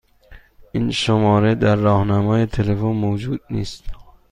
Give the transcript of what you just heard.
این شماره در راهنمای تلفن موجود نیست.